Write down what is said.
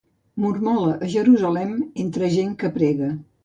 Mormola a Jerusalem, entre gent que prega.